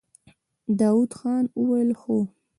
داوود خان وويل: هو!